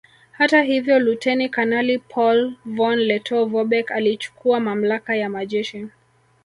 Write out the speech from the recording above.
Hata hivyo Luteni Kanali Paul von Lettow Vorbeck alichukua mamlaka ya majeshi